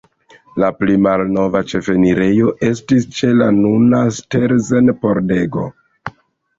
La pli malnova ĉefenirejo estis ĉe la nuna Stelzen-pordego.